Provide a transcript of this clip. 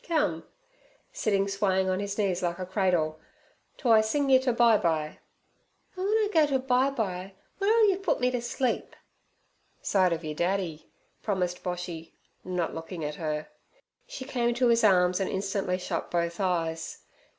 Come' sitting swaying his knees like a cradle, 'to I sing yer ter bye bye.' 'An' w'en I go to bye bye, w'ere'll yer put me t' sleep?' 'Side ov yer daddy' promised Boshy, not looking at her. She came to his arms and instantly shut both eyes.